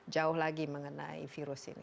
jauh lagi mengenai virus ini